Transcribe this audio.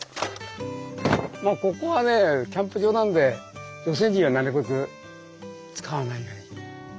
もうここはねキャンプ場なんで女性陣はなるべく使わないように。